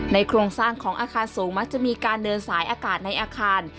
โครงสร้างของอาคารสูงมักจะมีการเดินสายอากาศในอาคาร